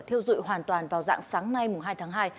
thiêu dụi hoàn toàn vào dạng sáng nay hai tháng hai